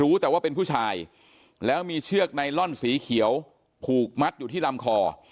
รู้แต่ว่าเป็นผู้ชายแล้วมีเชือกไนลอนสีเขียวผูกมัดอยู่ที่ลำคอ